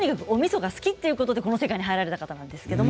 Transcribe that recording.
おみそが好きということでこの世界に入られました。